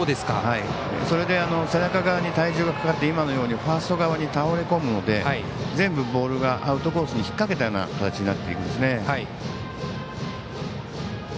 それで背中側に体重がかかって今のようにファースト側に倒れこむので全部ボールがアウトコースに引っ掛けたような形になっていくんですね。